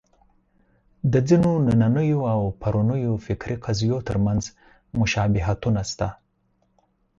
د ځینو نننیو او پرونیو فکري قضیو تر منځ مشابهتونه شته.